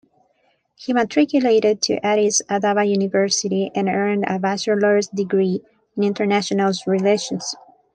He matriculated to Addis Ababa University and earned a Bachelor's Degree in International Relations.